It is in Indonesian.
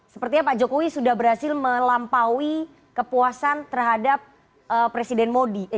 sepertinya pak jokowi sudah berhasil melampaui kepuasan terhadap presiden modi